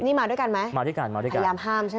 นี่มาด้วยกันมั้ยพยายามห้ามใช่มั้ย